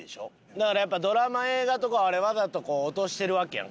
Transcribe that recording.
だからやっぱドラマ映画とかあれわざとこう落としてるわけやん